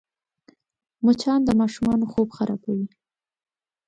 مچان د ماشومانو خوب خرابوي